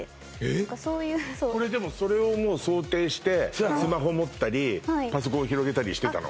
何かそういうそうこれでもそれを想定してスマホ持ったりパソコン広げたりしてたの？